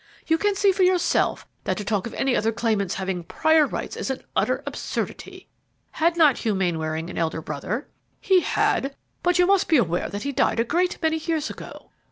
You can see for yourself that to talk of any other claimants having prior rights is an utter absurdity." "Had not Hugh Mainwaring an elder brother?" "He had; but you must be aware that he died a great many years ago."